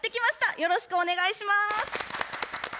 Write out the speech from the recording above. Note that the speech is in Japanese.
よろしくお願いします。